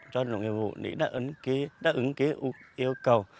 cho đồng nghiệp vụ để đáp ứng yêu cầu